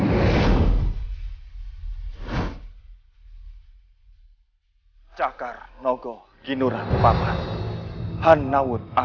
memanfaatkan pencela kaki potong kakak yang terluka